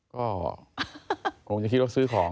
ก็คงจะคิดว่าซื้อของ